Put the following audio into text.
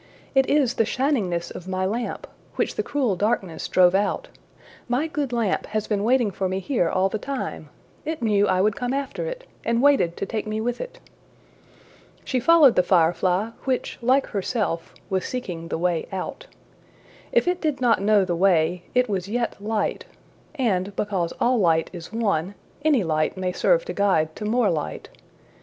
``It is the shiningness of my lamp, which the cruel darkness drove out. My good lamp has been waiting for me here all the time! It knew I would come after it, and waited to take me with it.'' She followed the firefly, which, like herself, was seeking the way out. If it did not know the way, it was yet light; and, because all light is one, any light may serve to guide to more light.